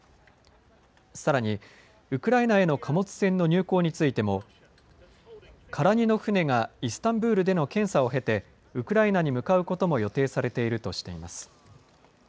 さらにウクライナへの貨物船の入港についても空荷の船がイスタンブールでの検査を経てウクライナに向かうことも予定されているとしています。